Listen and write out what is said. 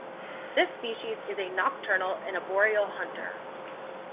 This species is a nocturnal and arboreal hunter.